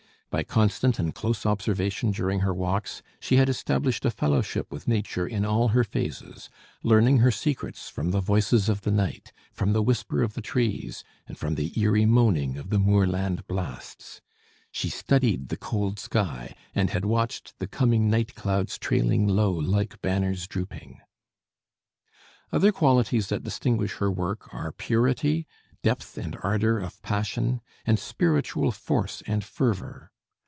By constant and close observation during her walks she had established a fellowship with nature in all her phases; learning her secrets from the voices of the night, from the whisper of the trees, and from the eerie moaning of the moorland blasts. She studied the cold sky, and had watched the "coming night clouds trailing low like banners drooping." Other qualities that distinguish her work are purity, depth and ardor of passion, and spiritual force and fervor.